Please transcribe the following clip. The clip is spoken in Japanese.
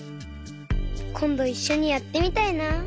こんどいっしょにやってみたいな。